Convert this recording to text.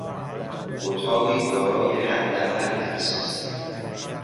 اتاقی دارای حداقل اثاثیه